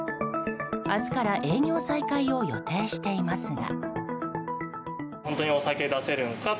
明日から営業再開を予定していますが。